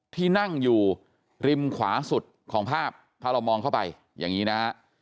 ที่นั่งอยู่ริมขวาสุดของภาพถ้าเรามองเข้าไปอย่างนี้นะฮะ